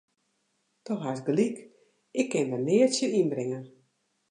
Do hast gelyk, ik kin der neat tsjin ynbringe.